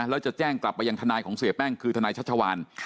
แล้วจะแจ้งกลับไปยังทนายของเสียแป้งคือทนายชัชวาน